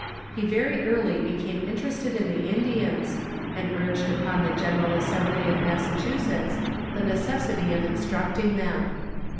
He very early be came interested in the Indians, and urged upon the General Assembly of Massachusetts the necessity of instructing them.